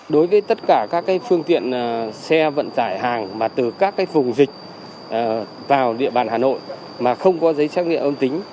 đối với tất cả các phương tiện xe vận tải hàng mà từ các vùng dịch vào địa bàn hà nội mà không có giấy chắc nghiệm âm tính